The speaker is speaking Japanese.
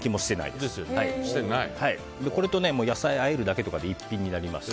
これと野菜をあえるだけで一品になりますし。